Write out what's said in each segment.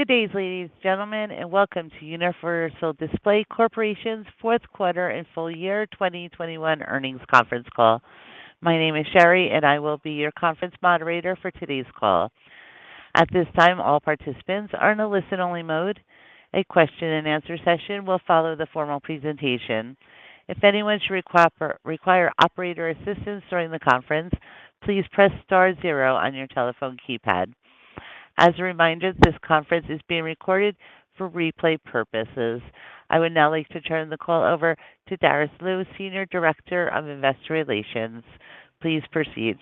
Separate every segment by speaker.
Speaker 1: Good day, ladies and gentlemen, and welcome to Universal Display Corporation's fourth quarter and full year 2021 earnings conference call. My name is Sherry, and I will be your conference moderator for today's call. At this time, all participants are in a listen-only mode. A question and answer session will follow the formal presentation. If anyone should require operator assistance during the conference, please press star zero on your telephone keypad. As a reminder, this conference is being recorded for replay purposes. I would now like to turn the call over to Darice Liu, Senior Director of Investor Relations. Please proceed.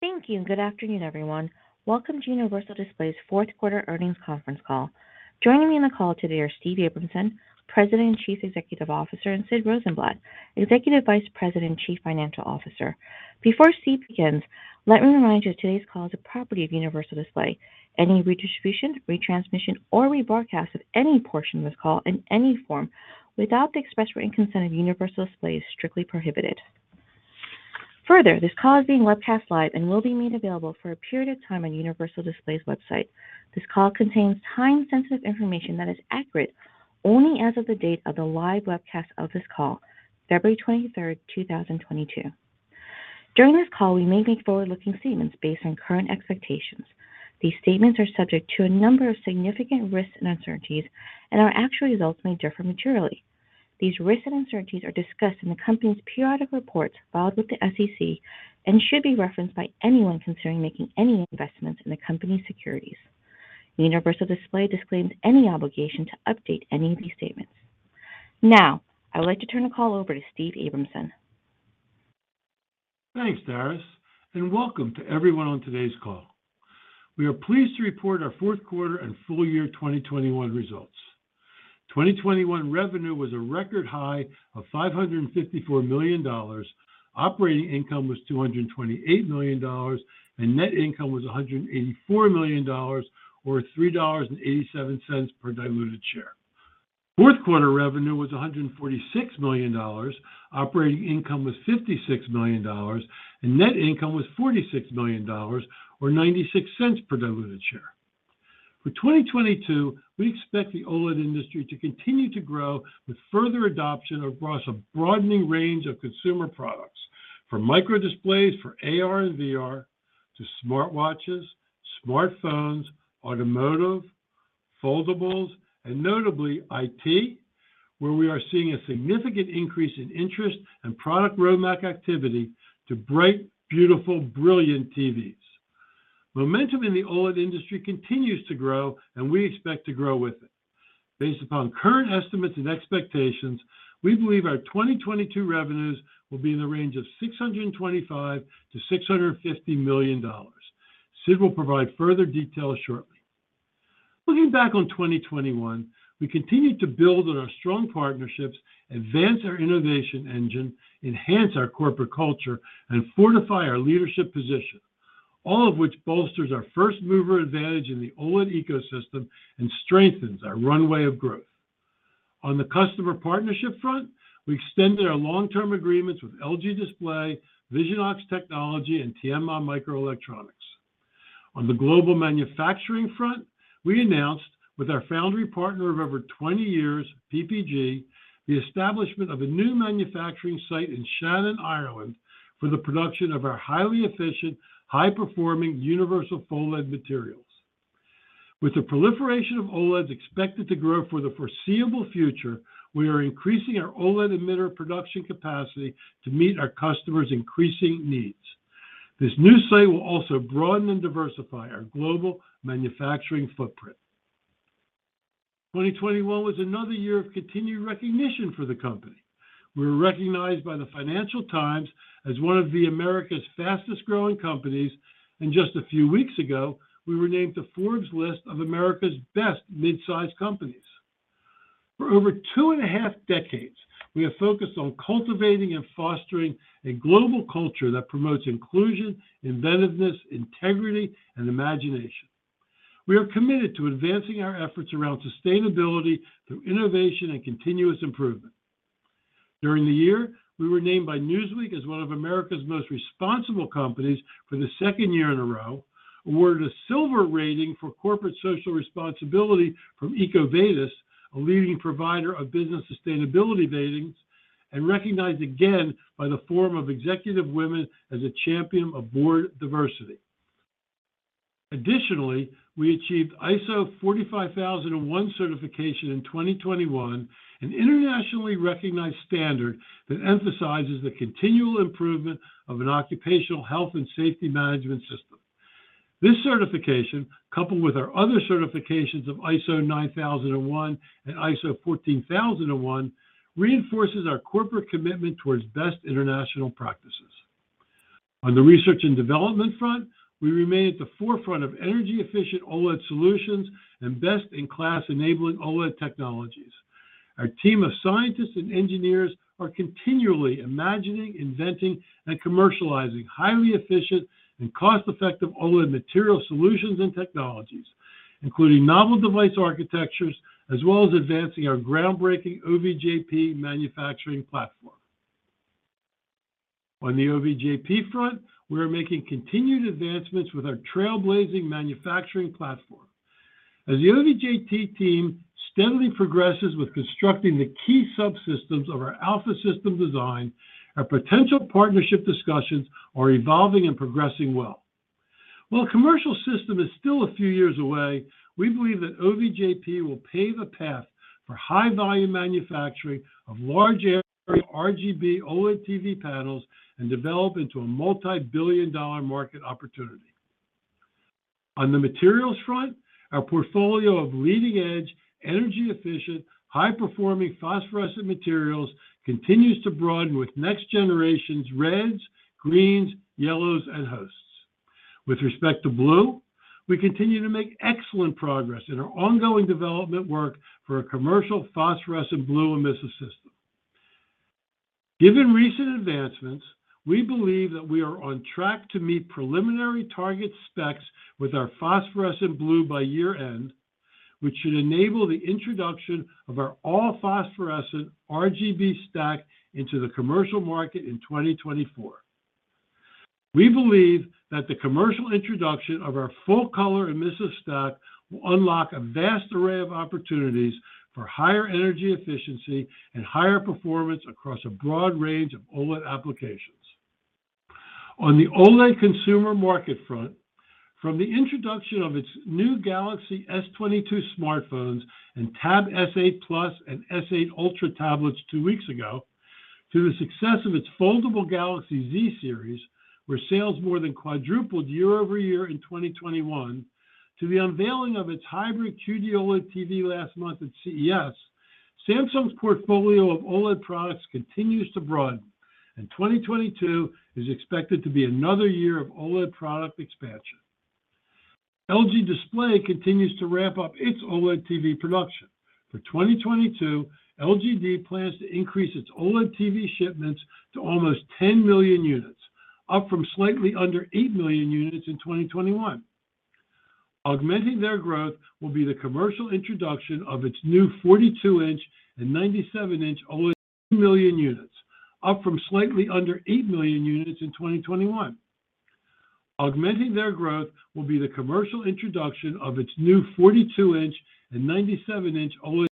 Speaker 2: Thank you, and good afternoon, everyone. Welcome to Universal Display's fourth quarter earnings conference call. Joining me on the call today are Steven Abramson, President and Chief Executive Officer, and Sidney Rosenblatt, Executive Vice President and Chief Financial Officer. Before Steven V. Abramson begins, let me remind you that today's call is a property of Universal Display. Any redistribution, retransmission, or rebroadcast of any portion of this call in any form without the express written consent of Universal Display is strictly prohibited. Further, this call is being webcast live and will be made available for a period of time on Universal Display's website. This call contains time-sensitive information that is accurate only as of the date of the live webcast of this call, February twenty-third, two thousand and twenty-two. During this call, we may make forward-looking statements based on current expectations. These statements are subject to a number of significant risks and uncertainties, and our actual results may differ materially. These risks and uncertainties are discussed in the company's periodic reports filed with the SEC and should be referenced by anyone considering making any investments in the company's securities. Universal Display disclaims any obligation to update any of these statements. Now, I would like to turn the call over to Steven Abramson.
Speaker 3: Thanks, Darice, and welcome to everyone on today's call. We are pleased to report our fourth quarter and full year 2021 results. 2021 revenue was a record high of $554 million. Operating income was $228 million, and net income was $184 million or $3.87 per diluted share. Fourth quarter revenue was $146 million, operating income was $56 million, and net income was $46 million or $0.96 per diluted share. For 2022, we expect the OLED industry to continue to grow with further adoption across a broadening range of consumer products. From micro displays for AR and VR, to smartwatches, smartphones, automotive, foldables, and notably IT, where we are seeing a significant increase in interest and product roadmap activity to bright, beautiful, brilliant TVs. Momentum in the OLED industry continues to grow, and we expect to grow with it. Based upon current estimates and expectations, we believe our 2022 revenues will be in the range of $625 million-$650 million. Sid will provide further details shortly. Looking back on 2021, we continued to build on our strong partnerships, advance our innovation engine, enhance our corporate culture, and fortify our leadership position, all of which bolsters our first-mover advantage in the OLED ecosystem and strengthens our runway of growth. On the customer partnership front, we extended our long-term agreements with LG Display, Visionox Technology, and Tianma Microelectronics. On the global manufacturing front, we announced with our foundry partner of over 20 years, PPG, the establishment of a new manufacturing site in Shannon, Ireland for the production of our highly efficient, high-performing universal OLED materials. With the proliferation of OLEDs expected to grow for the foreseeable future, we are increasing our OLED emitter production capacity to meet our customers' increasing needs. This new site will also broaden and diversify our global manufacturing footprint. 2021 was another year of continued recognition for the company. We were recognized by the Financial Times as one of America's fastest-growing companies, and just a few weeks ago, we were named to Forbes list of America's best mid-sized companies. For over two and a half decades, we have focused on cultivating and fostering a global culture that promotes inclusion, inventiveness, integrity, and imagination. We are committed to advancing our efforts around sustainability through innovation and continuous improvement. During the year, we were named by Newsweek as one of America's most responsible companies for the second year in a row, awarded a silver rating for corporate social responsibility from EcoVadis, a leading provider of business sustainability ratings, and recognized again by the Forum of Executive Women as a champion of board diversity. Additionally, we achieved ISO 45001 certification in 2021, an internationally recognized standard that emphasizes the continual improvement of an occupational health and safety management system. This certification, coupled with our other certifications of ISO 9001 and ISO 14001, reinforces our corporate commitment towards best international practices. On the research and development front, we remain at the forefront of energy-efficient OLED solutions and best-in-class enabling OLED technologies. Our team of scientists and engineers are continually imagining, inventing, and commercializing highly efficient and cost-effective OLED material solutions and technologies, including novel device architectures, as well as advancing our groundbreaking OVJP manufacturing platform. On the OVJP front, we are making continued advancements with our trailblazing manufacturing platform. As the OVJP team steadily progresses with constructing the key subsystems of our alpha system design, our potential partnership discussions are evolving and progressing well. While commercial system is still a few years away, we believe that OVJP will pave a path for high volume manufacturing of large area RGB OLED TV panels and develop into a multi-billion-dollar market opportunity. On the materials front, our portfolio of leading edge, energy efficient, high performing phosphorescent materials continues to broaden with next generation's reds, greens, yellows, and hosts. With respect to blue, we continue to make excellent progress in our ongoing development work for a commercial phosphorescent blue emissive system. Given recent advancements, we believe that we are on track to meet preliminary target specs with our phosphorescent blue by year-end, which should enable the introduction of our all phosphorescent RGB stack into the commercial market in 2024. We believe that the commercial introduction of our full color emissive stack will unlock a vast array of opportunities for higher energy efficiency and higher performance across a broad range of OLED applications. On the OLED consumer market front, from the introduction of its new Galaxy S22 smartphones and Tab S8 Plus and S8 Ultra tablets two weeks ago, to the success of its foldable Galaxy Z series, where sales more than quadrupled year-over-year in 2021, to the unveiling of its hybrid QD-OLED TV last month at CES, Samsung's portfolio of OLED products continues to broaden, and 2022 is expected to be another year of OLED product expansion. LG Display continues to ramp up its OLED TV production. For 2022, LGD plans to increase its OLED TV shipments to almost 10 million units, up from slightly under 8 million units in 2021. Augmenting their growth will be the commercial introduction of its new 42-inch and 97-inch OLED TVs. Up from slightly under 8 million units in 2021 Augmenting their growth will be the commercial introduction of its new 42-inch and 97-inch OLED.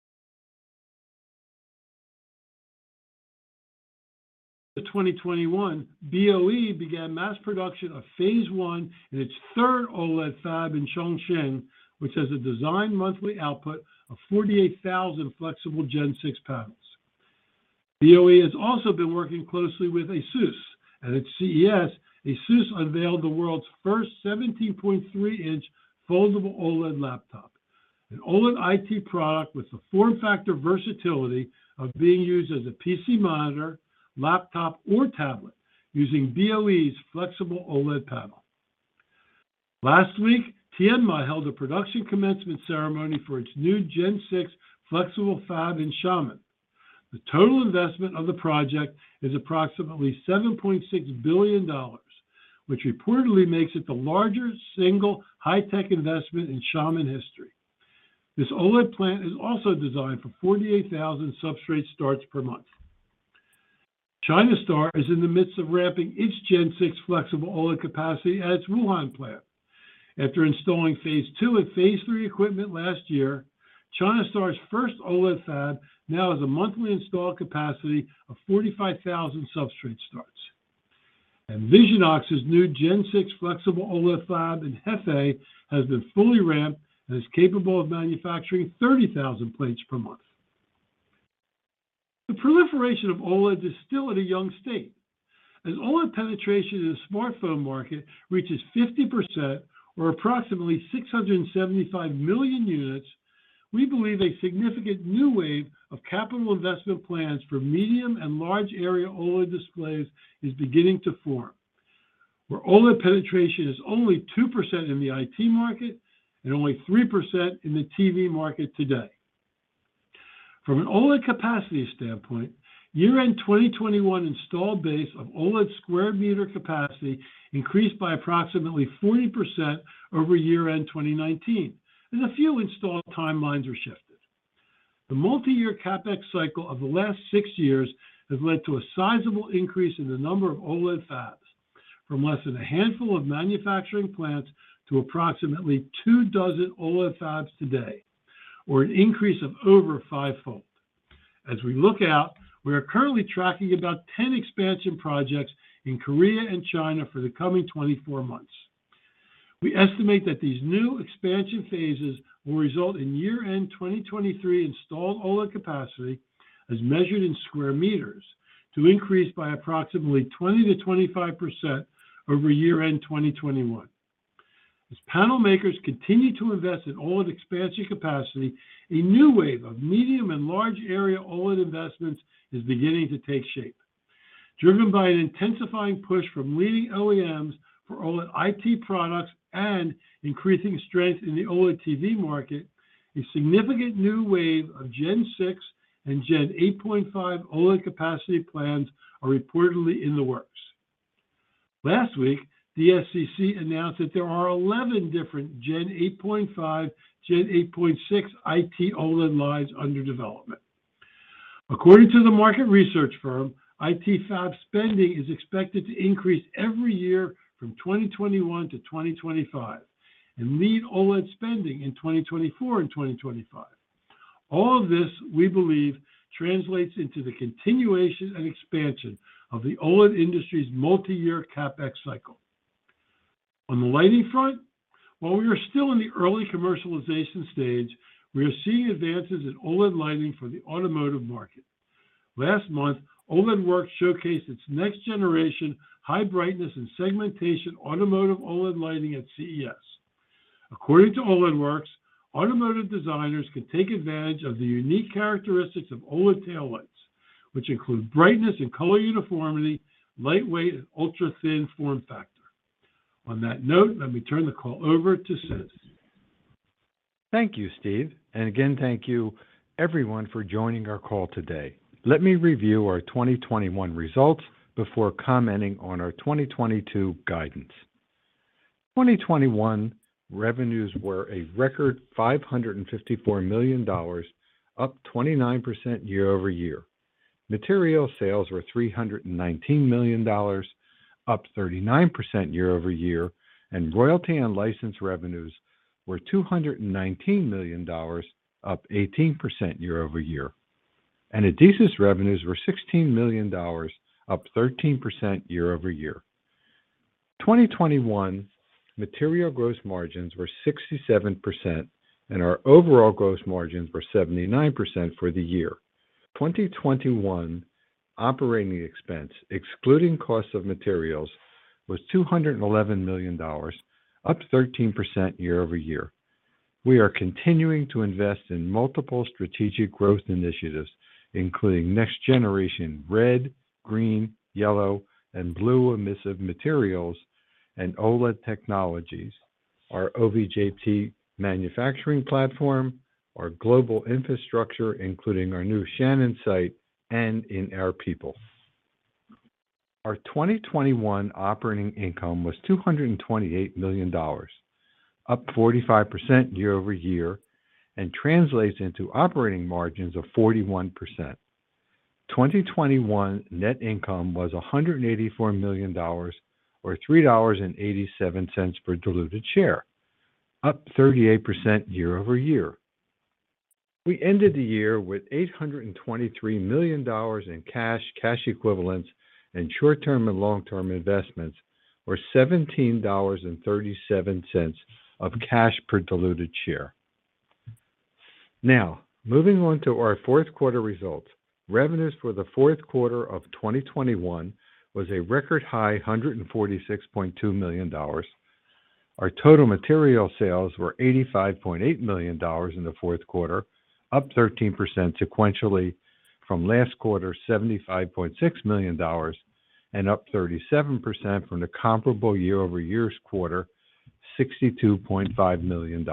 Speaker 3: In 2021, BOE began mass production of phase 1 in its third OLED fab in Chongqing, which has a design monthly output of 48,000 flexible Gen 6 panels. BOE has also been working closely with ASUS. At its CES, ASUS unveiled the world's first 17.3-inch foldable OLED laptop, an OLED IT product with the form factor versatility of being used as a PC monitor, laptop, or tablet using BOE's flexible OLED panel. Last week, Tianma held a production commencement ceremony for its new Gen 6 flexible fab in Xiamen. The total investment of the project is approximately $7.6 billion, which reportedly makes it the largest single high-tech investment in Xiamen history. This OLED plant is also designed for 48,000 substrate starts per month. China Star is in the midst of ramping its Gen 6 flexible OLED capacity at its Wuhan plant. After installing phase two and phase three equipment last year, China Star's first OLED fab now has a monthly installed capacity of 45,000 substrate starts. Visionox's new Gen 6 flexible OLED fab in Hefei has been fully ramped and is capable of manufacturing 30,000 plates per month. The proliferation of OLED is still at a young state. As OLED penetration in the smartphone market reaches 50% or approximately 675 million units, we believe a significant new wave of capital investment plans for medium and large area OLED displays is beginning to form, where OLED penetration is only 2% in the IT market and only 3% in the TV market today. From an OLED capacity standpoint, year-end 2021 installed base of OLED square meter capacity increased by approximately 40% over year-end 2019, and a few installed timelines are shifted. The multi-year CapEx cycle of the last six years has led to a sizable increase in the number of OLED fabs, from less than a handful of manufacturing plants to approximately two dozen OLED fabs today, or an increase of over 5-fold. As we look out, we are currently tracking about 10 expansion projects in Korea and China for the coming 24 months. We estimate that these new expansion phases will result in year-end 2023 installed OLED capacity, as measured in square meters, to increase by approximately 20%-25% over year-end 2021. As panel makers continue to invest in OLED expansion capacity, a new wave of medium and large area OLED investments is beginning to take shape. Driven by an intensifying push from leading OEMs for OLED IT products and increasing strength in the OLED TV market, a significant new wave of Gen 6 and Gen 8.5 OLED capacity plans are reportedly in the works. Last week, the SEC announced that there are 11 different Gen 8.5, Gen 8.6 IT OLED lines under development. According to the market research firm, IT fab spending is expected to increase every year from 2021 to 2025 and meet OLED spending in 2024 and 2025. All of this, we believe, translates into the continuation and expansion of the OLED industry's multi-year CapEx cycle. On the lighting front, while we are still in the early commercialization stage, we are seeing advances in OLED lighting for the automotive market. Last month, OLEDWorks showcased its next generation high brightness and segmentation automotive OLED lighting at CES. According to OLEDWorks, automotive designers can take advantage of the unique characteristics of OLED tail lights, which include brightness and color uniformity, lightweight, and ultra-thin form factor. On that note, let me turn the call over to Sid.
Speaker 4: Thank you, Steve. Again, thank you everyone for joining our call today. Let me review our 2021 results before commenting on our 2022 guidance. 2021 revenues were a record $554 million, up 29% year-over-year. Material sales were $319 million, up 39% year-over-year. Royalty and license revenues were $219 million, up 18% year-over-year. Adesis revenues were $16 million, up 13% year-over-year. 2021 material gross margins were 67%, and our overall gross margins were 79% for the year. 2021 operating expense, excluding cost of materials, was $211 million, up 13% year-over-year. We are continuing to invest in multiple strategic growth initiatives, including next generation red, green, yellow, and blue emissive materials and OLED technologies, our OVJP manufacturing platform, our global infrastructure, including our new Shannon site, and in our people. Our 2021 operating income was $228 million, up 45% year-over-year, and translates into operating margins of 41%. 2021 net income was $184 million or $3.87 per diluted share, up 38% year-over-year. We ended the year with $823 million in cash equivalents, and short-term and long-term investments, or $17.37 of cash per diluted share. Now, moving on to our fourth quarter results. Revenues for the fourth quarter of 2021 was a record high $146.2 million. Our total material sales were $85.8 million in the fourth quarter, up 13% sequentially from last quarter's $75.6 million, and up 37% from the comparable year-over-year quarter, $62.5 million.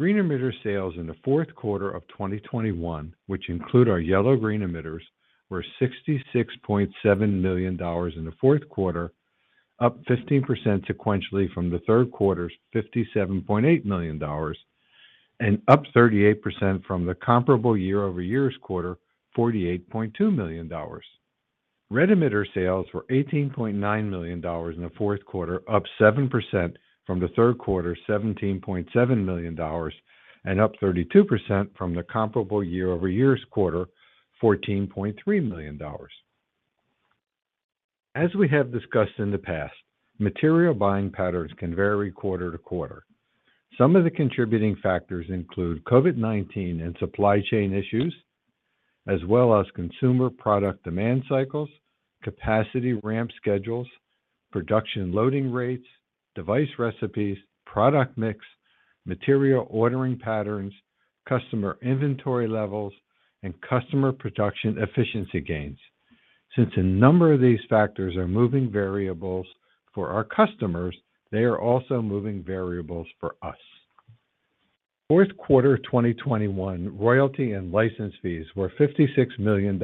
Speaker 4: Green emitter sales in the fourth quarter of 2021, which include our yellow-green emitters, were $66.7 million in the fourth quarter, up 15% sequentially from the third quarter's $57.8 million, and up 38% from the comparable year-over-year quarter, $48.2 million. Red emitter sales were $18.9 million in the fourth quarter, up 7% from the third quarter's $17.7 million, and up 32% from the comparable year-over-year quarter, $14.3 million. As we have discussed in the past, material buying patterns can vary quarter to quarter. Some of the contributing factors include COVID-19 and supply chain issues, as well as consumer product demand cycles, capacity ramp schedules, production loading rates, device recipes, product mix, material ordering patterns, customer inventory levels, and customer production efficiency gains. Since a number of these factors are moving variables for our customers, they are also moving variables for us. Fourth quarter 2021 royalty and license fees were $56 million.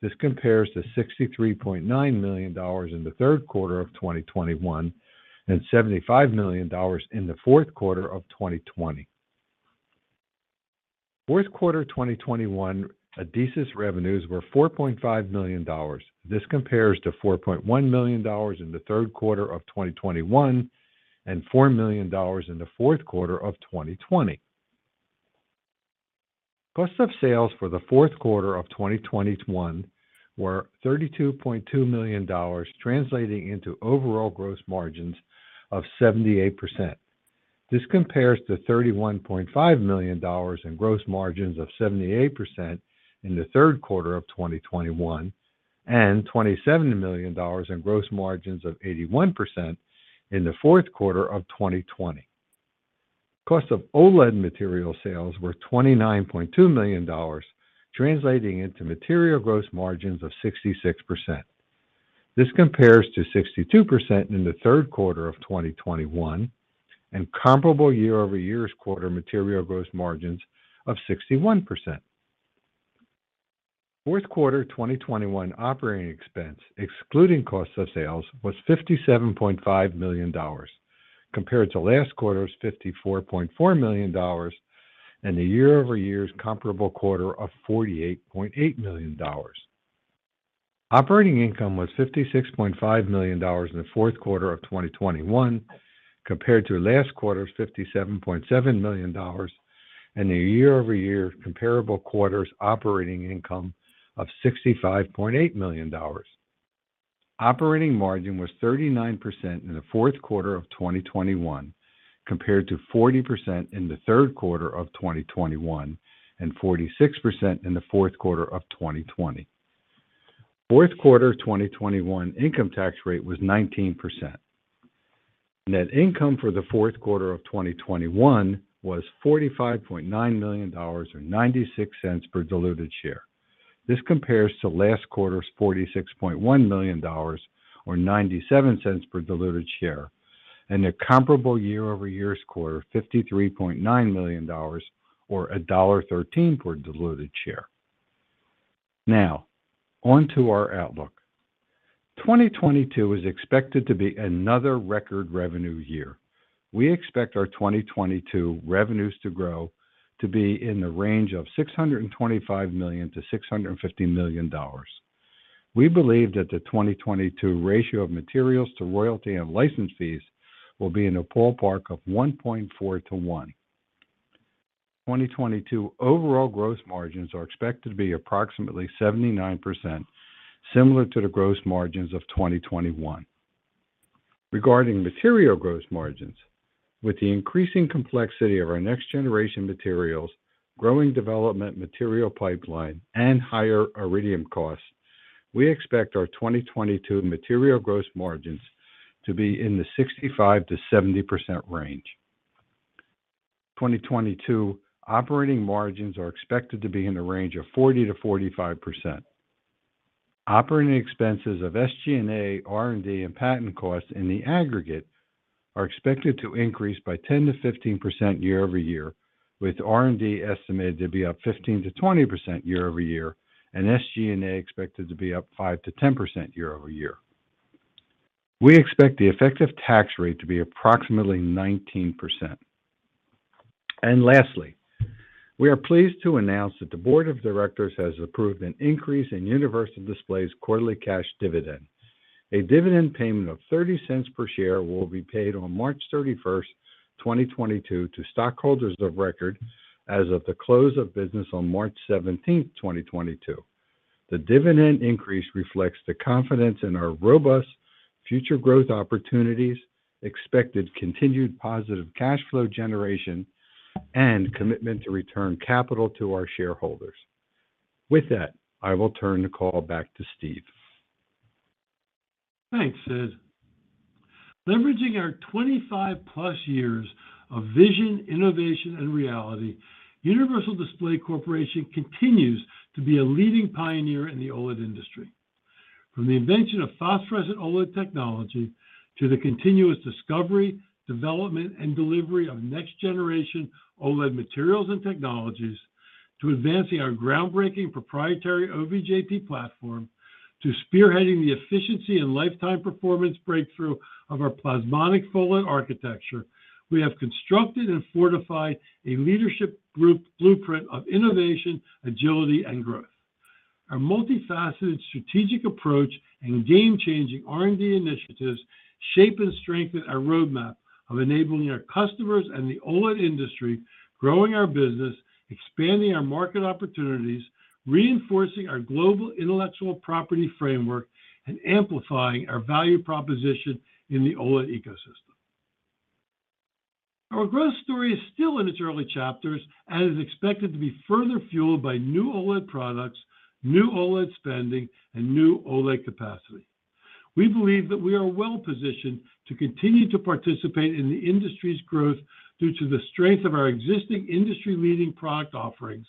Speaker 4: This compares to $63.9 million in the third quarter of 2021 and $75 million in the fourth quarter of 2020. Fourth quarter 2021 Adesis revenues were $4.5 million. This compares to $4.1 million in the third quarter of 2021 and $4 million in the fourth quarter of 2020. Cost of sales for the fourth quarter of 2021 were $32.2 million, translating into overall gross margins of 78%. This compares to $31.5 million in gross margins of 78% in the third quarter of 2021 and $27 million in gross margins of 81% in the fourth quarter of 2020. Cost of OLED material sales were $29.2 million, translating into material gross margins of 66%. This compares to 62% in the third quarter of 2021 and comparable year-over-year quarter material gross margins of 61%. Fourth quarter 2021 operating expense, excluding cost of sales, was $57.5 million compared to last quarter's $54.4 million and the year-over-year comparable quarter of $48.8 million. Operating income was $56.5 million in the fourth quarter of 2021 compared to last quarter's $57.7 million and a year-over-year comparable quarter's operating income of $65.8 million. Operating margin was 39% in the fourth quarter of 2021 compared to 40% in the third quarter of 2021 and 46% in the fourth quarter of 2020. Fourth quarter 2021 income tax rate was 19%. Net income for the fourth quarter of 2021 was $45.9 million or $0.96 per diluted share. This compares to last quarter's $46.1 million or $0.97 per diluted share and a comparable year-over-year's quarter $53.9 million or $1.13 per diluted share. Now, on to our outlook. 2022 is expected to be another record revenue year. We expect our 2022 revenues to grow to be in the range of $625 million-$650 million. We believe that the 2022 ratio of materials to royalty and license fees will be in the ballpark of 1.4-1. 2022 overall gross margins are expected to be approximately 79%, similar to the gross margins of 2021. Regarding material gross margins, with the increasing complexity of our next generation materials, growing development material pipeline, and higher iridium costs, we expect our 2022 material gross margins to be in the 65%-70% range. 2022 operating margins are expected to be in the range of 40%-45%. Operating expenses of SG&A, R&D, and patent costs in the aggregate are expected to increase by 10%-15% year-over-year, with R&D estimated to be up 15%-20% year-over-year and SG&A expected to be up 5%-10% year-over-year. We expect the effective tax rate to be approximately 19%. Lastly, we are pleased to announce that the board of directors has approved an increase in Universal Display's quarterly cash dividend. A dividend payment of $0.30 per share will be paid on March 31, 2022 to stockholders of record as of the close of business on March 17, 2022. The dividend increase reflects the confidence in our robust future growth opportunities, expected continued positive cash flow generation, and commitment to return capital to our shareholders. With that, I will turn the call back to Steve.
Speaker 3: Thanks, Sid. Leveraging our 25+ years of vision, innovation, and reality, Universal Display Corporation continues to be a leading pioneer in the OLED industry. From the invention of phosphorescent OLED technology to the continuous discovery, development, and delivery of next generation OLED materials and technologies to advancing our groundbreaking proprietary OVJP platform to spearheading the efficiency and lifetime performance breakthrough of our phosphorescent full OLED architecture, we have constructed and fortified a leadership blueprint of innovation, agility, and growth. Our multifaceted strategic approach and game-changing R&D initiatives shape and strengthen our roadmap of enabling our customers and the OLED industry, growing our business, expanding our market opportunities, reinforcing our global intellectual property framework, and amplifying our value proposition in the OLED ecosystem. Our growth story is still in its early chapters and is expected to be further fueled by new OLED products, new OLED spending, and new OLED capacity. We believe that we are well-positioned to continue to participate in the industry's growth due to the strength of our existing industry-leading product offerings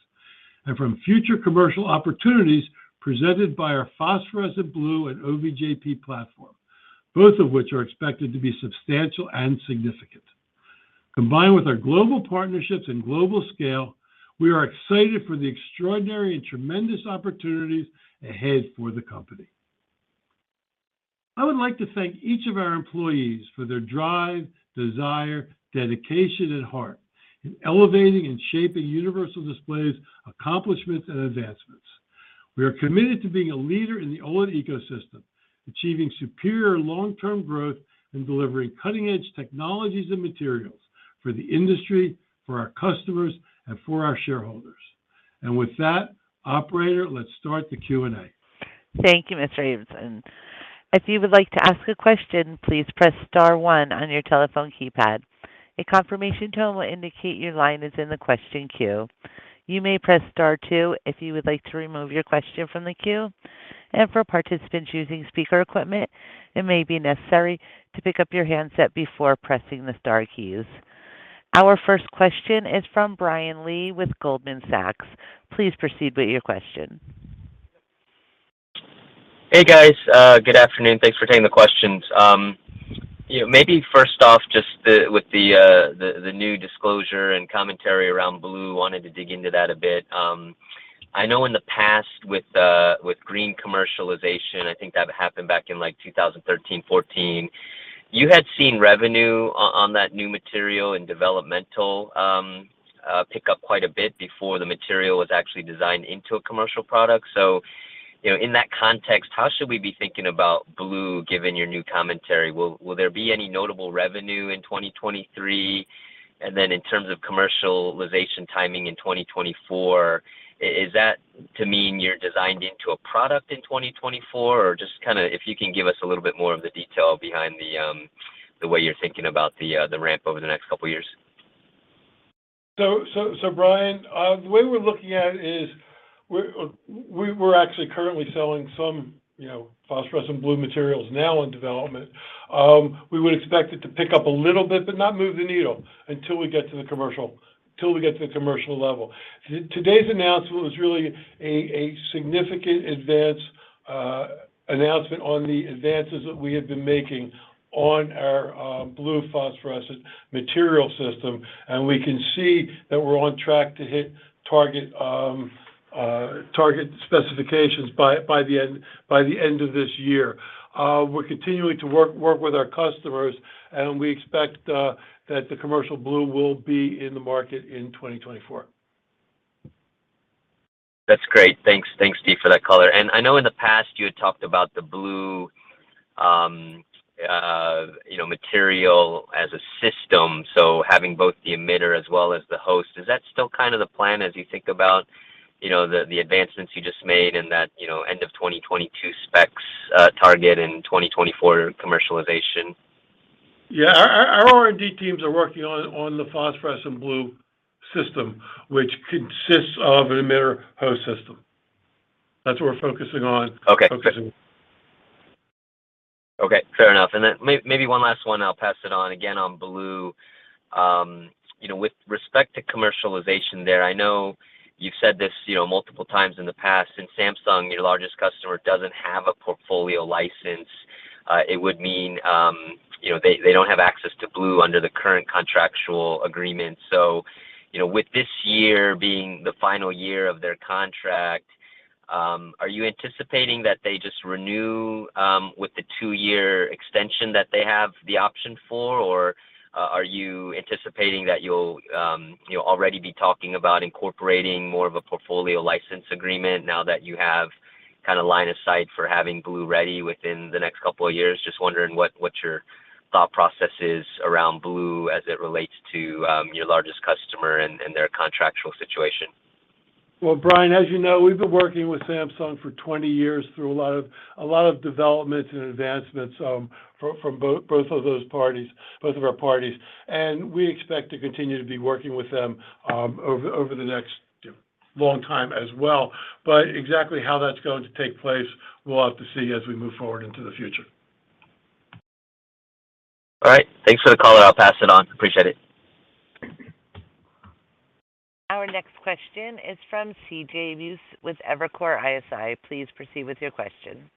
Speaker 3: and from future commercial opportunities presented by our phosphorescent blue and OVJP platform, both of which are expected to be substantial and significant. Combined with our global partnerships and global scale, we are excited for the extraordinary and tremendous opportunities ahead for the company. I would like to thank each of our employees for their drive, desire, dedication, and heart in elevating and shaping Universal Display's accomplishments and advancements. We are committed to being a leader in the OLED ecosystem, achieving superior long-term growth, and delivering cutting-edge technologies and materials for the industry, for our customers, and for our shareholders. With that, operator, let's start the Q&A.
Speaker 1: Thank you, Mr. Abramson. If you would like to ask a question, please press star one on your telephone keypad. A confirmation tone will indicate your line is in the question queue. You may press star two if you would like to remove your question from the queue. For participants using speaker equipment, it may be necessary to pick up your handset before pressing the star keys. Our first question is from Brian Lee with Goldman Sachs. Please proceed with your question.
Speaker 5: Hey guys, good afternoon. Thanks for taking the questions. You know, maybe first off, just with the new disclosure and commentary around blue, wanted to dig into that a bit. I know in the past with green commercialization, I think that happened back in like 2013, 2014. You had seen revenue on that new material and development pick up quite a bit before the material was actually designed into a commercial product. You know, in that context, how should we be thinking about blue, given your new commentary? Will there be any notable revenue in 2023? And then in terms of commercialization timing in 2024, is that to mean you're designed into a product in 2024? Just kinda, if you can give us a little bit more of the detail behind the way you're thinking about the ramp over the next couple of years?
Speaker 3: Brian, the way we're looking at it is we're actually currently selling some, you know, phosphorescent blue materials now in development. We would expect it to pick up a little bit, but not move the needle until we get to the commercial level. Today's announcement was really a significant advance announcement on the advances that we have been making on our blue phosphorescent material system, and we can see that we're on track to hit target specifications by the end of this year. We're continuing to work with our customers, and we expect that the commercial blue will be in the market in 2024.
Speaker 5: That's great. Thanks, Steve, for that color. I know in the past you had talked about the blue, you know, material as a system, so having both the emitter as well as the host. Is that still kind of the plan as you think about, you know, the advancements you just made and that, you know, end of 2022 specs target and 2024 commercialization?
Speaker 3: Our R&D teams are working on the phosphorescent blue system, which consists of an emitter host system. That's what we're focusing on.
Speaker 5: Okay. Fair enough. Then maybe one last one, I'll pass it on. Again, on blue, you know, with respect to commercialization there, I know you've said this, you know, multiple times in the past, and Samsung, your largest customer, doesn't have a portfolio license. It would mean, you know, they don't have access to blue under the current contractual agreement. So, you know, with this year being the final year of their contract, are you anticipating that they just renew, with the two-year extension that they have the option for? Or, are you anticipating that you'll already be talking about incorporating more of a portfolio license agreement now that you have kinda line of sight for having blue ready within the next couple of years? Just wondering what your thought process is around blue as it relates to your largest customer and their contractual situation.
Speaker 3: Well, Brian, as you know, we've been working with Samsung for 20 years through a lot of developments and advancements from both of our parties. We expect to continue to be working with them over the next long time as well. Exactly how that's going to take place, we'll have to see as we move forward into the future.
Speaker 5: All right. Thanks for the color. I'll pass it on. Appreciate it.
Speaker 1: Our next question is from CJ Muse with Evercore ISI. Please proceed with your question.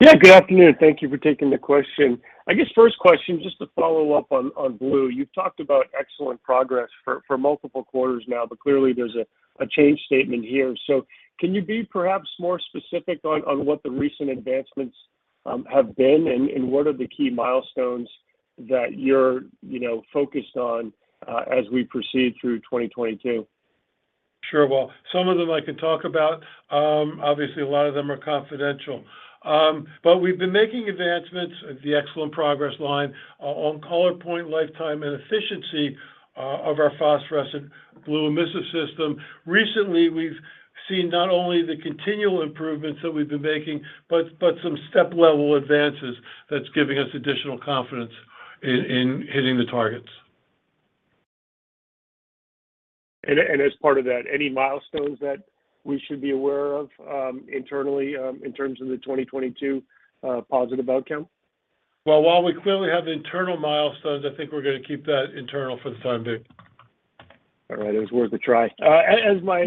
Speaker 6: Yeah. Good afternoon. Thank you for taking the question. I guess first question, just to follow up on blue. You've talked about excellent progress for multiple quarters now, but clearly there's a change statement here. Can you be perhaps more specific on what the recent advancements have been, and what are the key milestones that you're focused on, as we proceed through 2022?
Speaker 3: Sure. Well, some of them I can talk about. Obviously a lot of them are confidential. We've been making advancements and excellent progress along on color point lifetime and efficiency of our phosphorescent blue emissive system. Recently, we've seen not only the continual improvements that we've been making, but some step level advances that's giving us additional confidence in hitting the targets.
Speaker 6: As part of that, any milestones that we should be aware of, internally, in terms of the 2022 positive outcome?
Speaker 3: Well, while we clearly have the internal milestones, I think we're gonna keep that internal for the time being. All right. It was worth a try.
Speaker 6: As my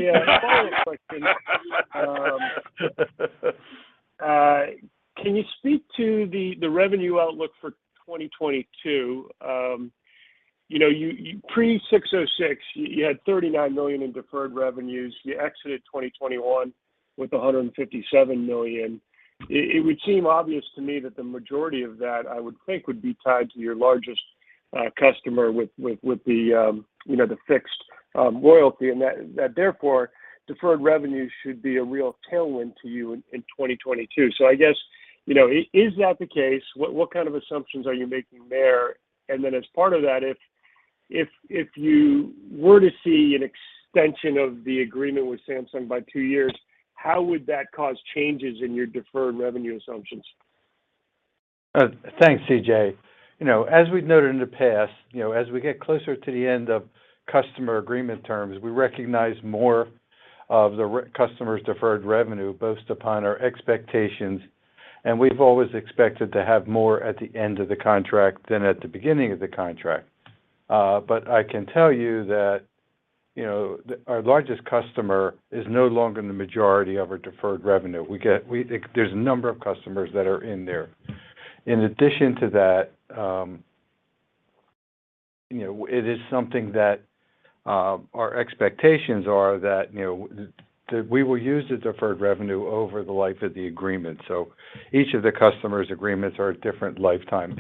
Speaker 6: follow-up question, can you speak to the revenue outlook for 2022? You know, pre-ASC 606, you had $39 million in deferred revenues. You exited 2021 with $157 million. It would seem obvious to me that the majority of that I would think would be tied to your largest customer with the fixed royalty, and that therefore, deferred revenue should be a real tailwind to you in 2022. I guess, you know, is that the case? What kind of assumptions are you making there? As part of that, if you were to see an extension of the agreement with Samsung by two years, how would that cause changes in your deferred revenue assumptions?
Speaker 4: Thanks, CJ. You know, as we've noted in the past, you know, as we get closer to the end of customer agreement terms, we recognize more of our customer's deferred revenue based upon our expectations, and we've always expected to have more at the end of the contract than at the beginning of the contract. I can tell you that. You know, our largest customer is no longer the majority of our deferred revenue. There's a number of customers that are in there. In addition to that, you know, it is something that, our expectations are that, you know, we will use the deferred revenue over the life of the agreement. Each of the customer's agreements are a different lifetime.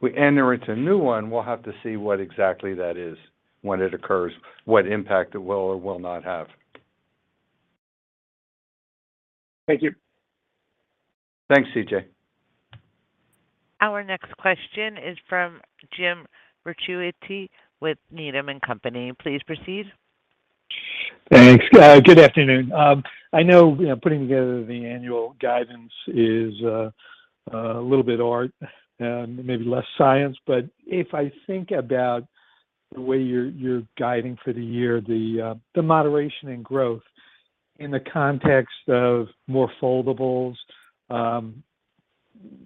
Speaker 4: If we enter into a new one, we'll have to see what exactly that is, when it occurs, what impact it will or will not have.
Speaker 6: Thank you.
Speaker 4: Thanks, CJ.
Speaker 1: Our next question is from James Ricchiuti with Needham & Company. Please proceed.
Speaker 7: Thanks. Good afternoon. I know, you know, putting together the annual guidance is a little bit art and maybe less science, but if I think about the way you're guiding for the year, the moderation in growth in the context of more foldables,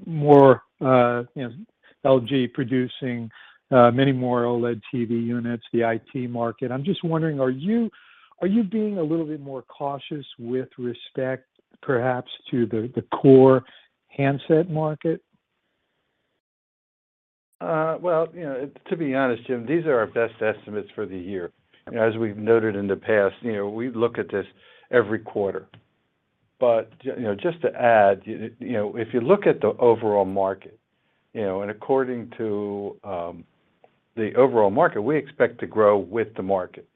Speaker 7: more, you know, LG producing many more OLED TV units, the IT market, I'm just wondering, are you being a little bit more cautious with respect perhaps to the core handset market?
Speaker 4: Well, you know, to be honest, Jim, these are our best estimates for the year. I mean, as we've noted in the past, you know, we look at this every quarter. Just to add, you know, if you look at the overall market, you know, and according to the overall market, we expect to grow with the market.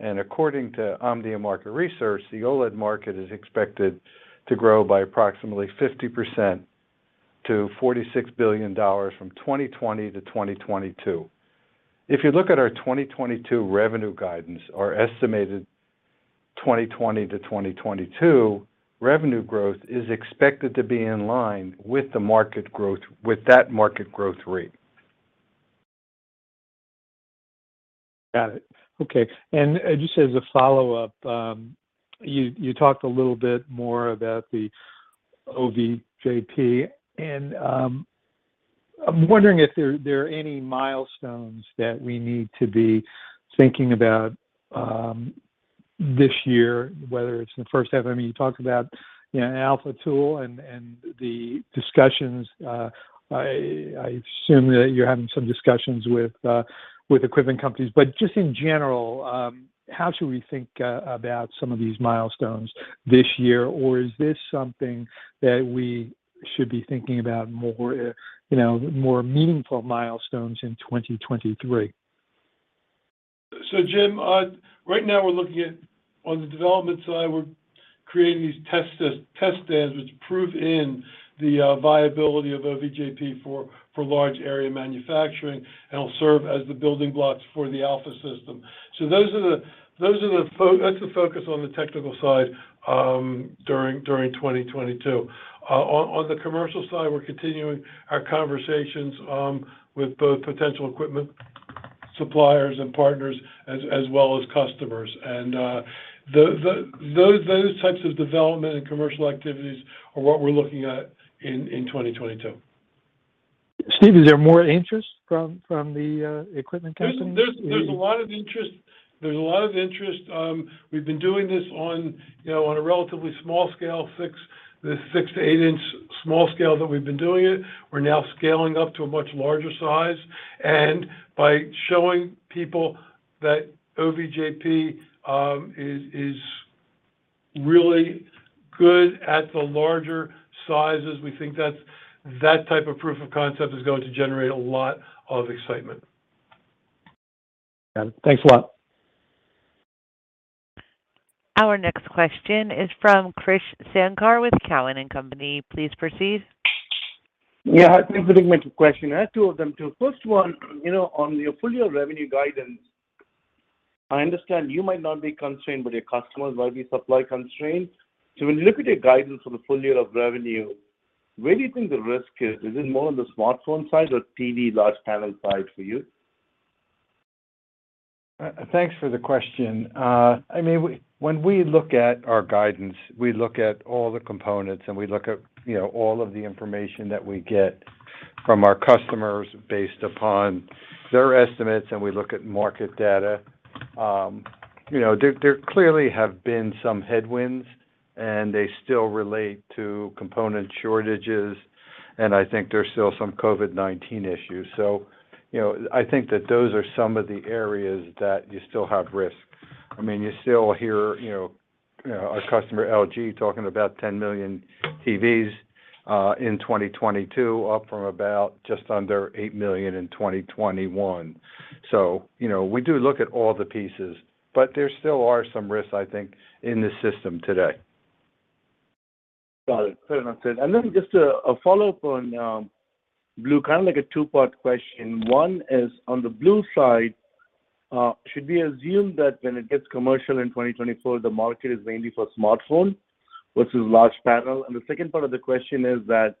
Speaker 4: According to Omdia market research, the OLED market is expected to grow by approximately 50% to $46 billion from 2020-2022. If you look at our 2022 revenue guidance, our estimated 2020-2022 revenue growth is expected to be in line with the market growth with that market growth rate.
Speaker 7: Got it. Okay. Just as a follow-up, you talked a little bit more about the OVJP, and I'm wondering if there are any milestones that we need to be thinking about this year, whether it's in the first half. I mean, you talked about, you know, an alpha tool and the discussions. I assume that you're having some discussions with equipment companies. Just in general, how should we think about some of these milestones this year? Is this something that we should be thinking about more, you know, more meaningful milestones in 2023?
Speaker 3: Jim, right now we're looking at on the development side, we're creating these test stands, which prove in the viability of OVJP for large area manufacturing, and it'll serve as the building blocks for the alpha system. That's the focus on the technical side during 2022. On the commercial side, we're continuing our conversations with both potential equipment suppliers and partners as well as customers. Those types of development and commercial activities are what we're looking at in 2022.
Speaker 7: Steve, is there more interest from the equipment companies in?
Speaker 3: There's a lot of interest. We've been doing this, you know, on a relatively small scale, 6-8-inch small scale that we've been doing it. We're now scaling up to a much larger size. By showing people that OVJP is really good at the larger sizes, we think that type of proof of concept is going to generate a lot of excitement.
Speaker 7: Got it. Thanks a lot.
Speaker 1: Our next question is from Krish Sankar with Cowen and Company. Please proceed.
Speaker 8: Yeah. Thanks for taking my question. I have two of them, too. First one, you know, on your full year revenue guidance, I understand you might not be constrained, but your customers might be supply constrained. When you look at your guidance for the full year of revenue, where do you think the risk is? Is it more on the smartphone side or TV large panel side for you?
Speaker 4: Thanks for the question. I mean, when we look at our guidance, we look at all the components, and we look at, you know, all of the information that we get from our customers based upon their estimates, and we look at market data. You know, there clearly have been some headwinds, and they still relate to component shortages, and I think there's still some COVID-19 issues. You know, I think that those are some of the areas that you still have risk. I mean, you still hear, you know, our customer LG talking about 10 million TVs in 2022, up from about just under 8 million in 2021. You know, we do look at all the pieces, but there still are some risks, I think, in the system today.
Speaker 8: Got it. Fair enough, Steve. Just a follow-up on blue, kind of like a two-part question. One is on the blue side, should we assume that when it gets commercial in 2024, the market is mainly for smartphone versus large panel? The second part of the question is that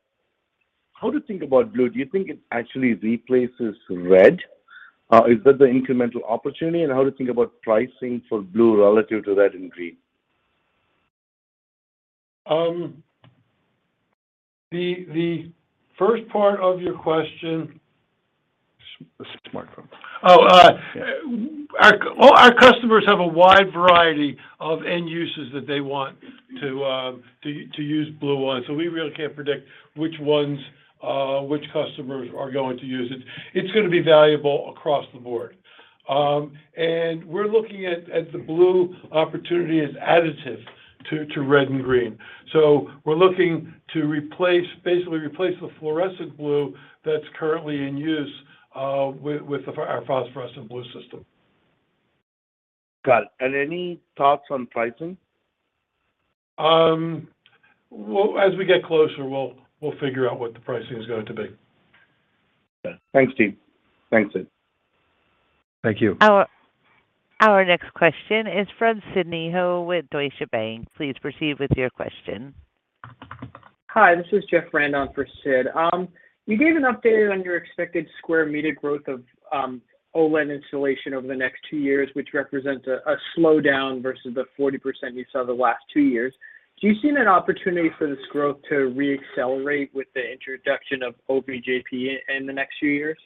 Speaker 8: how do you think about blue? Do you think it actually replaces red? Is that the incremental opportunity? How do you think about pricing for blue relative to red and green?
Speaker 3: The first part of your question. All our customers have a wide variety of end uses that they want to use blue on. We really can't predict which customers are going to use it. It's gonna be valuable across the board. We're looking at the blue opportunity as additive to red and green. We're looking to replace the fluorescent blue that's currently in use with our phosphorescent blue system.
Speaker 4: Got it. Any thoughts on pricing?
Speaker 3: As we get closer, we'll figure out what the pricing is going to be.
Speaker 4: Okay. Thanks, Steve. Thanks, Sid.
Speaker 3: Thank you.
Speaker 1: Our next question is from Sidney Ho with Deutsche Bank. Please proceed with your question.
Speaker 9: Hi, this is Jeff Rand for Sid. You gave an update on your expected square meter growth of OLED installation over the next two years, which represents a slowdown versus the 40% we saw the last two years. Do you see an opportunity for this growth to re-accelerate with the introduction of OVJP in the next few years?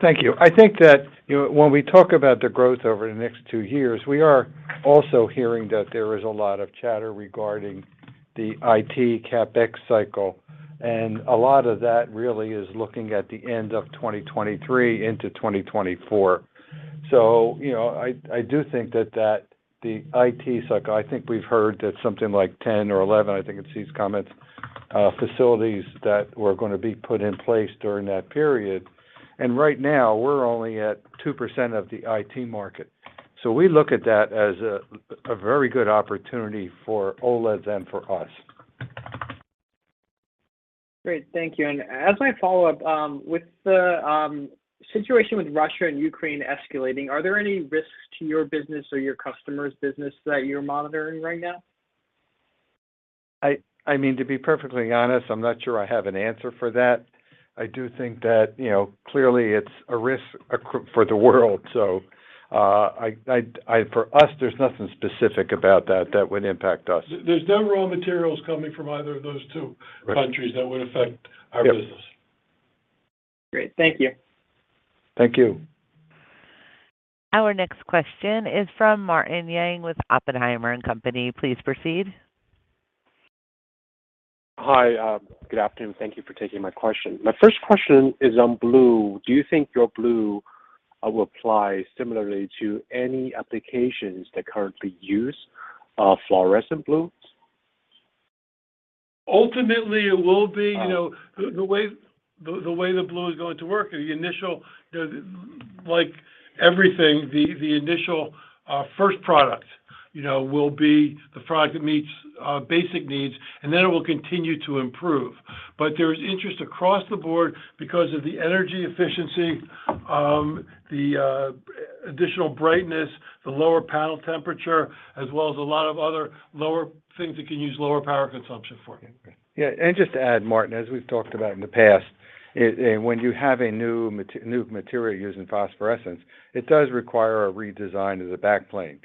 Speaker 4: Thank you. I think that, you know, when we talk about the growth over the next two years, we are also hearing that there is a lot of chatter regarding the IT CapEx cycle. A lot of that really is looking at the end of 2023 into 2024. You know, I do think that the IT cycle. I think we've heard that something like 10 or 11, I think in Steve's comments, facilities that were gonna be put in place during that period. Right now we're only at 2% of the IT market. We look at that as a very good opportunity for OLEDs and for us.
Speaker 9: Great. Thank you. As I follow up, with the situation with Russia and Ukraine escalating, are there any risks to your business or your customers' business that you're monitoring right now?
Speaker 4: I mean, to be perfectly honest, I'm not sure I have an answer for that. I do think that, you know, clearly it's a risk for the world. For us, there's nothing specific about that that would impact us.
Speaker 3: There's no raw materials coming from either of those two countries that would affect our business.
Speaker 9: Great. Thank you.
Speaker 4: Thank you.
Speaker 1: Our next question is from Martin Yang with Oppenheimer and Company. Please proceed.
Speaker 10: Hi. Good afternoon. Thank you for taking my question. My first question is on blue. Do you think your blue will apply similarly to any applications that currently use fluorescent blues?
Speaker 3: Ultimately, it will be. You know, the way the blue is going to work, the initial, you know, like everything, first product, you know, will be the product that meets basic needs, and then it will continue to improve. There's interest across the board because of the energy efficiency, the additional brightness, the lower panel temperature, as well as a lot of other lower things it can use lower power consumption for.
Speaker 4: Yeah. Just to add, Martin, as we've talked about in the past, it, and when you have a new material using phosphorescence, it does require a redesign of the backplane.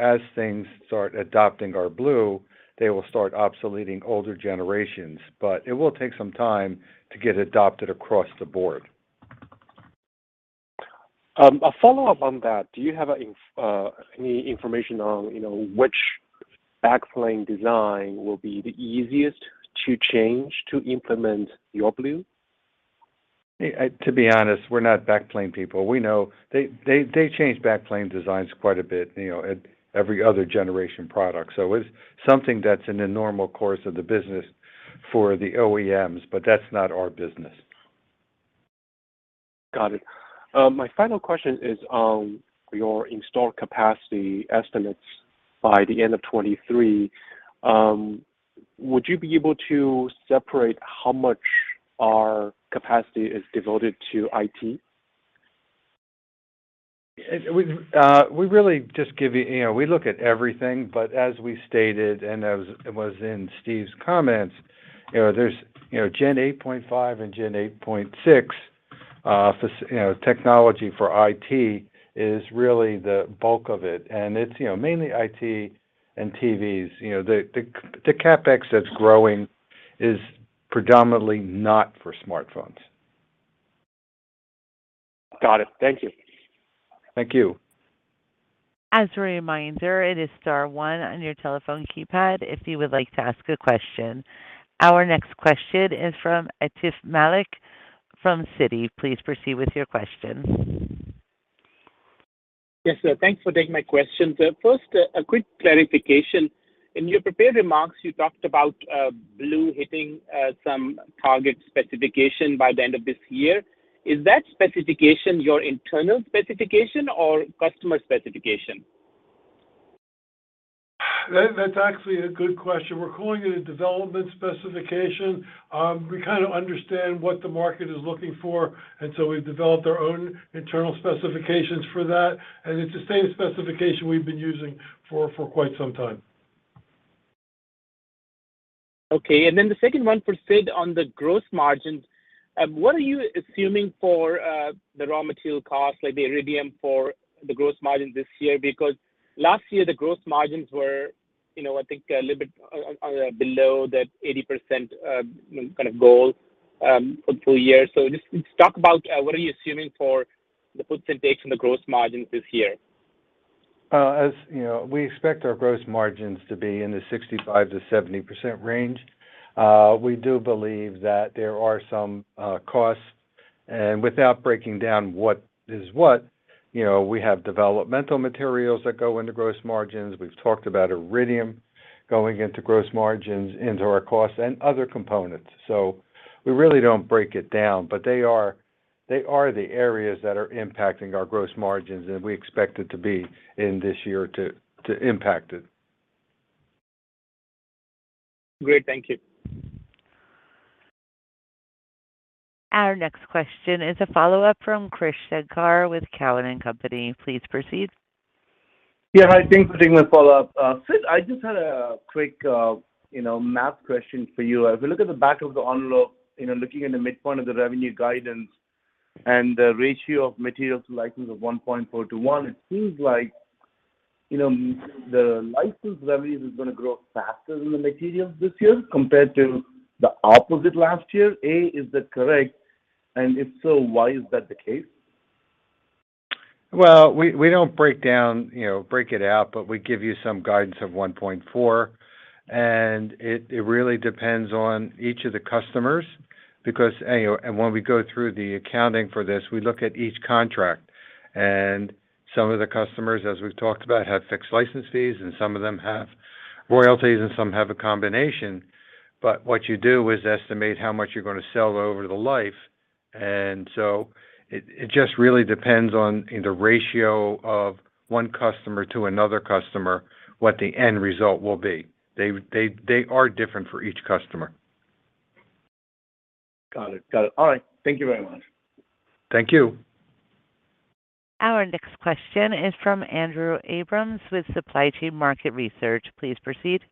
Speaker 4: As things start adopting our blue, they will start obsoleting older generations. It will take some time to get adopted across the board.
Speaker 10: A follow-up on that. Do you have any information on, you know, which backplane design will be the easiest to change to implement your blue?
Speaker 4: To be honest, we're not backplane people. We know they change backplane designs quite a bit, you know, at every other generation product. It's something that's in the normal course of the business for the OEMs, but that's not our business.
Speaker 10: Got it. My final question is on your installed capacity estimates by the end of 2023. Would you be able to separate how much your capacity is devoted to IT?
Speaker 4: We really just give you. You know, we look at everything, but as we stated, and as was in Steve's comments, you know, there's, you know, Gen 8.5 and Gen 8.6, you know, technology for IT is really the bulk of it. It's, you know, mainly IT and TVs. You know, the CapEx that's growing is predominantly not for smartphones.
Speaker 10: Got it. Thank you.
Speaker 4: Thank you.
Speaker 1: As a reminder, it is star one on your telephone keypad if you would like to ask a question. Our next question is from Atif Malik from Citi. Please proceed with your question.
Speaker 11: Yes, sir. Thanks for taking my question. First, a quick clarification. In your prepared remarks, you talked about blue hitting some target specification by the end of this year. Is that specification your internal specification or customer specification?
Speaker 3: That's actually a good question. We're calling it a development specification. We kind of understand what the market is looking for, and so we've developed our own internal specifications for that, and it's the same specification we've been using for quite some time.
Speaker 11: Okay. Then the second one for Sid on the gross margins. What are you assuming for the raw material costs, like the iridium for the gross margin this year? Because last year the gross margins were, you know, I think a little bit below that 80%, you know, kind of goal for full year. Just talk about what are you assuming for the puts and takes on the gross margins this year?
Speaker 4: As you know, we expect our gross margins to be in the 65%-70% range. We do believe that there are some costs. Without breaking down what is what, you know, we have developmental materials that go into gross margins. We've talked about iridium going into gross margins, into our costs and other components. We really don't break it down, but they are the areas that are impacting our gross margins, and we expect it to be in this year to impact it.
Speaker 11: Great. Thank you.
Speaker 1: Our next question is a follow-up from Krish Sankar with Cowen and Company. Please proceed.
Speaker 8: Yeah. Hi, thanks for taking my follow-up. Sid, I just had a quick, you know, math question for you. If you look at the back of the envelope, you know, looking at the midpoint of the revenue guidance and the ratio of materials to license of 1.4-1, it seems like, you know, the license revenue is gonna grow faster than the materials this year compared to the opposite last year. A, is that correct? And if so, why is that the case?
Speaker 4: Well, we don't break down, you know, break it out, but we give you some guidance of 1.4. It really depends on each of the customers because, and when we go through the accounting for this, we look at each contract. Some of the customers, as we've talked about, have fixed license fees, and some of them have royalties, and some have a combination. What you do is estimate how much you're gonna sell over the life. It just really depends on, you know, the ratio of one customer to another customer, what the end result will be. They are different for each customer.
Speaker 8: Got it. All right. Thank you very much.
Speaker 4: Thank you.
Speaker 1: Our next question is from Andrew Abrams with Supply Chain Market Research. Please proceed.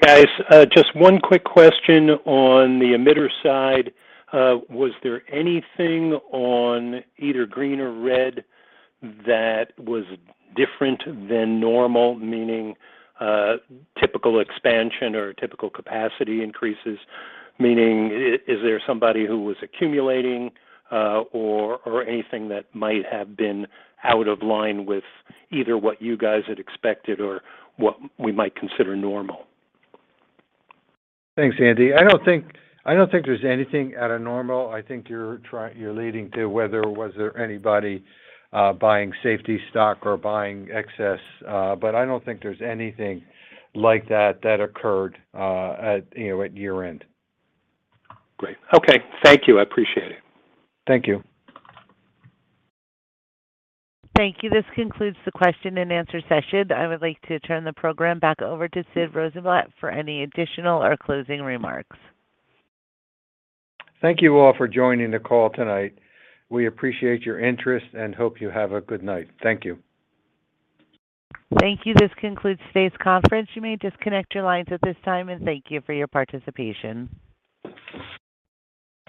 Speaker 12: Guys, just one quick question on the emitter side. Was there anything on either green or red that was different than normal? Meaning, typical expansion or typical capacity increases, meaning is there somebody who was accumulating, or anything that might have been out of line with either what you guys had expected or what we might consider normal?
Speaker 4: Thanks, Andy. I don't think there's anything out of normal. I think you're leading to whether was there anybody buying safety stock or buying excess, but I don't think there's anything like that that occurred at, you know, at year-end.
Speaker 12: Great. Okay. Thank you. I appreciate it.
Speaker 4: Thank you.
Speaker 1: Thank you. This concludes the question and answer session. I would like to turn the program back over to Sidney Rosenblatt for any additional or closing remarks.
Speaker 4: Thank you all for joining the call tonight. We appreciate your interest and hope you have a good night. Thank you.
Speaker 1: Thank you. This concludes today's conference. You may disconnect your lines at this time, and thank you for your participation.